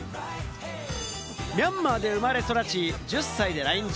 ミャンマーで生まれ育ち、１０歳で来日。